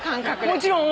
もちろん。